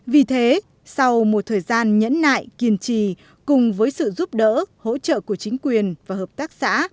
vì thế sau một thời gian nhẫn nại kiên trì cùng với sự giúp đỡ hỗ trợ của chính quyền và hợp tác xã